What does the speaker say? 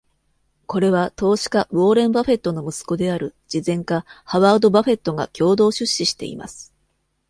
これは、投資家ウォーレン・バフェットの息子である、慈善家ハワード・バフェットが共同出資しています。